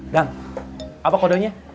gang apa kodenya